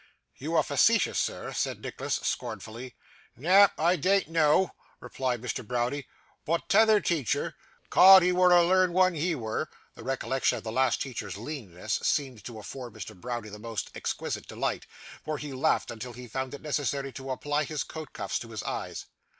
'You are facetious, sir,' said Nicholas, scornfully. 'Na; I dean't know,' replied Mr. Browdie, 'but t'oother teacher, 'cod he wur a learn 'un, he wur.' The recollection of the last teacher's leanness seemed to afford Mr. Browdie the most exquisite delight, for he laughed until he found it necessary to apply his coat cuffs to his eyes.